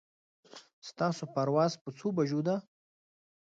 ستاسو پرواز په څو بجو ده